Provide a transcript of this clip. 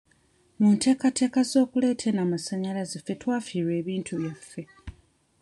Mu nteekateeka z'okuleeta eno amasannyalaze ffe twafiirwa ebintu byaffe.